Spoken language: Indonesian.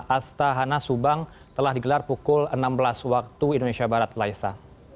asta hana subang telah digelar pukul enam belas waktu indonesia barat laisa